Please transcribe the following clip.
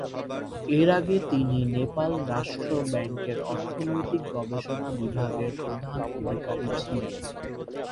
এর আগে তিনি নেপাল রাষ্ট্র ব্যাংকের অর্থনৈতিক গবেষণা বিভাগের প্রধান অধিকারী ছিলেন।